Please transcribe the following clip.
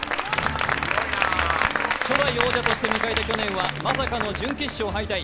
初代王者として迎えた去年はまさかの準決勝敗退。